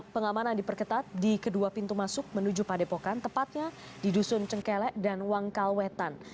pengamanan diperketat di kedua pintu masuk menuju padepokan tepatnya di dusun cengkelek dan wangkal wetan